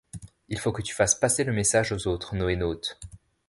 il faut que tu fasses passer le message aux autres NoéNautes.